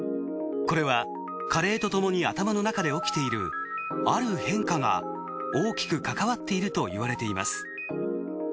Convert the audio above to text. これは加齢とともに頭の中で起きているある変化が大きく関わっているといわれています。